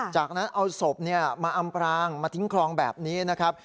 จากนั้นเอาศพมาอำพรางมาทิ้งคลองแบบนี้นะครับ